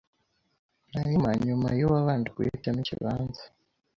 Hanyuma nyuma ye uwabanje guhitamo ikibanza